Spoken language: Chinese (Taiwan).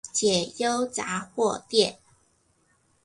解憂雜貨店